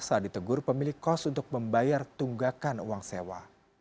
saat ditegur pemilik kos untuk membayar tunggakan uang sewa